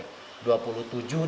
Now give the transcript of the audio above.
jadi kita harus berhati hati